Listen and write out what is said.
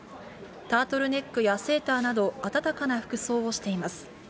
タートルネックやセーターなど、暖かな服装をしています。